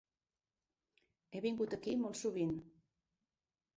He vingut aquí molt sovint.